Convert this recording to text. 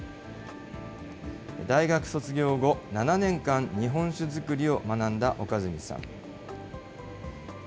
大学卒業後、７年間、日本酒造りを学んだ岡住さん。